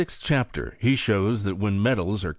In the 8th chapter he shows that when metals are